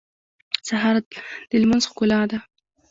سهار د لمونځ ښکلا ده.